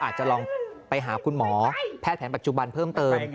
อาจจะลองไปหาคุณหมอแพทย์แผนปัจจุบันเพิ่มเติม